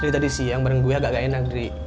tadi siang bareng gue agak agak enak nri